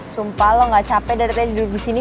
sumpah lo gak capek dari tadi duduk disini